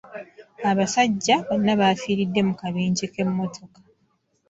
Abasajja bana bafiiridde mu kabenje k'emmotoka.